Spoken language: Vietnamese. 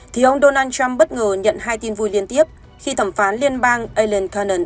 thì ông donald trump bất ngờ nhận hai tin vui liên tiếp khi thẩm phán liên bang ellen cannon